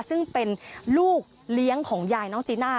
ซึ่งเป็นลูกเลี้ยงของยายน้องจีน่า